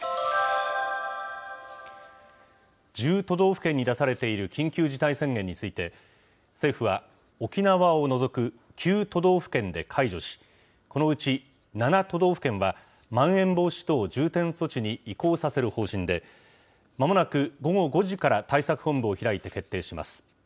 １０都道府県に出されている緊急事態宣言について、政府は沖縄を除く９都道府県で解除し、このうち７都道府県は、まん延防止等重点措置に移行させる方針で、まもなく午後５時から対策本部を開いて決定します。